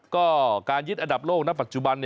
ก็การยึดอันดับโลกณปัจจุบัน